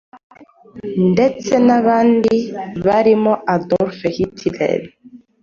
ndetse n’abandi barimo Adolf Hitler